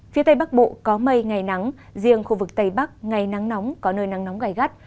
phía tây bắc bộ có mây ngày nắng riêng khu vực tây bắc ngày nắng nóng có nơi nắng nóng gai gắt